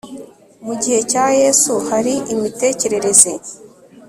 mu gihe cya yesu hari imitekerereze